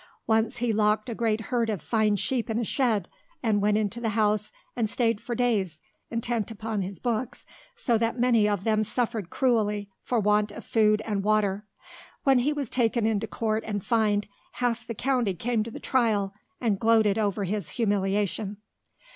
Once he locked a great herd of fine sheep in a shed and went into the house and stayed for days intent upon his books so that many of them suffered cruelly for want of food and water. When he was taken into court and fined, half the county came to the trial and gloated over his humiliation.